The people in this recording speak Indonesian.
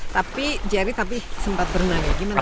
tapi jerry tapi sempat berenang ya gimana